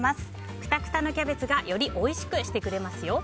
くたくたのキャベツがよりおいしくしてくれますよ。